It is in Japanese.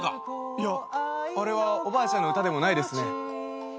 いやあれはおばあちゃんの歌でもないですね。